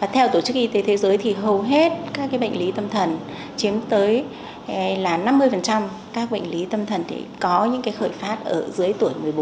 theo tổ chức y tế thế giới thì hầu hết các bệnh lý tâm thần chiếm tới năm mươi các bệnh lý tâm thần có những khởi phát ở dưới tuổi một mươi bốn